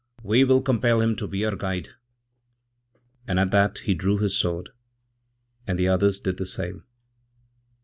We will compel him to be our guide'; and at that he drewhis sword, and the others did the same.